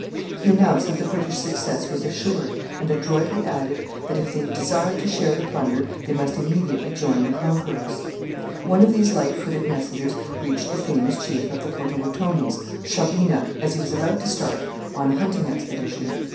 He announced that British success was assured, and adroitly added that, if they desired to share the plunder, they must immediately join the conquerors. One of these light footed messengers reached the famous chief of the Potawatomis, Shaubena, as he was about to start on a hunting expedition.